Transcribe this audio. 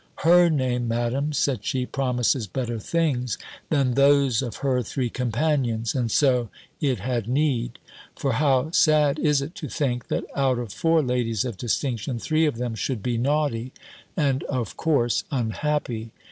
"Her name, Madam," said she, "promises better things than those of her three companions; and so it had need: for how sad is it to think, that out of four ladies of distinction, three of them should be naughty, and, of course, unhappy."